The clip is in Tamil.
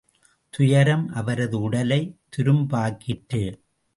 துயரம் அவரது உடலை துரும்பாக்கிற்று.